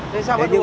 thế sao không uống